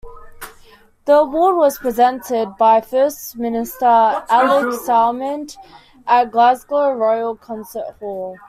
The award was presented by First Minister Alex Salmond at Glasgow Royal Concert Hall.